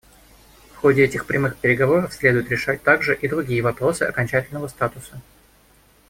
В ходе этих прямых переговоров следует решать также и другие вопросы окончательного статуса.